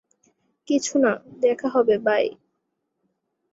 কিছু না, দেখা হবে বাই।